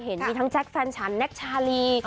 เห็นมีทั้งแจ๊คแฟนฉันแน็กชาลี